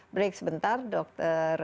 break sebentar dokter